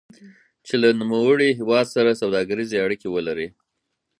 چې له نوموړي هېواد سره سوداګریزې اړیکې ولري.